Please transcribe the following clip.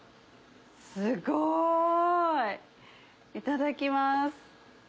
すごい！いただきます。